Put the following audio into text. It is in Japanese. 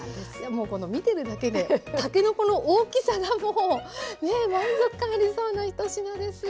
もう見てるだけでたけのこの大きさがもうね満足感ありそうな１品です。